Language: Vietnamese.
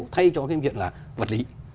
thay cho cái việc là vật lý